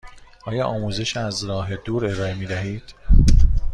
آیا آموزش از راه دور ارائه می دهید؟